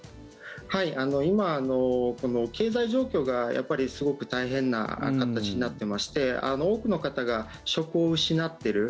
今、経済状況がすごく大変な形になっていまして多くの方が職を失ってる。